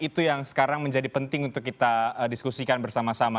itu yang sekarang menjadi penting untuk kita diskusikan bersama sama